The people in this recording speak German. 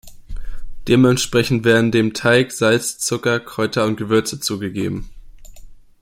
Dementsprechend werden dem Teig Salz, Zucker, Kräuter und Gewürze zugegeben.